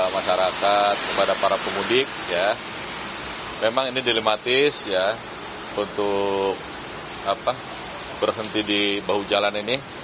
masyarakat kepada para pemudik memang ini dilematis untuk berhenti di bahu jalan ini